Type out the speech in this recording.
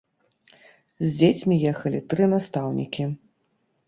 З дзецьмі ехалі тры настаўнікі.